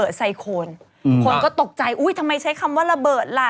ไซโคนคนก็ตกใจอุ้ยทำไมใช้คำว่าระเบิดล่ะ